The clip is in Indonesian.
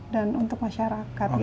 dan untuk masyarakat